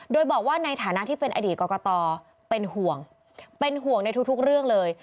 โดยบอกว่าในฐานะที่เป็นอดีตกรกตเป็นห่วงเป็นห่วงในทุกเรื่องเลย